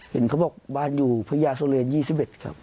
เห็นเขาบอกบ้านอยู่พญาโสเรน๒๑ครับ